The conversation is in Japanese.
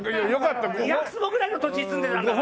２００坪ぐらいの土地に住んでたんだから。